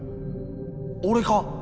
俺か？